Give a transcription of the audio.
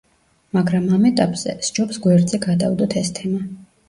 მაგრამ ამ ეტაპზე, სჯობს გვერდზე გადავდოთ ეს თემა.